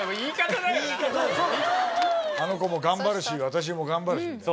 あの子も頑張るし私も頑張るしみたいな。